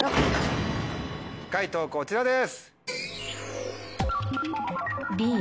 解答こちらです。